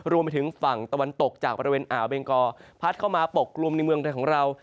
รวมไปถึงฝั่งตะวันตกจากบริเวณอ่าวเบงกอพัดเข้ามาปกกลุ่มในเมืองไทยของเรา